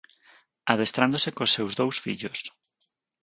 Adestrándose cos seus dous fillos.